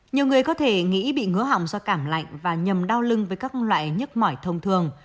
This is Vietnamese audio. nhiều người có thể nghĩ bị ngứa hỏng do cảm lạnh và nhầm đau lưng với các loại nhức mỏi thông thường